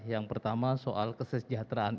yang pertama soal kesejahteraan